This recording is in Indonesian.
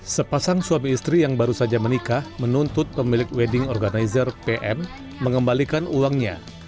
sepasang suami istri yang baru saja menikah menuntut pemilik wedding organizer pm mengembalikan uangnya